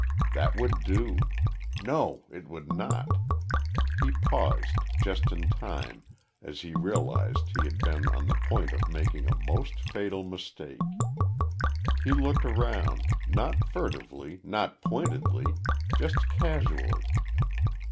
That would do. No, it would not. He paused just in time, as he realised he had been on the point of making a most fatal mistake. He looked around, not furtively, not pointedly, just casually.